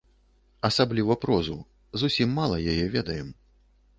Асабліва прозу, зусім мала яе ведаем.